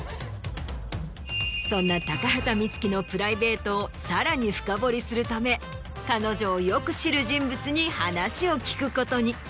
そんな高畑充希のプライベートをさらに深堀りするため彼女をよく知る人物に話を聞くことに。